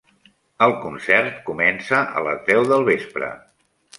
El concert comença a les deu del vespre.